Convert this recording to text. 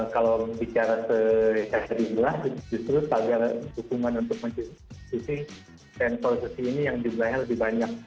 kalau bicara secara jelas justru tagar hukuman untuk menteri susi stand for susi ini yang jumlahnya lebih banyak